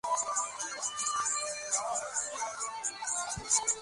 একদিন সুচরিতার সংস্রব হইতে গোরা পলায়ন করিয়াছিল।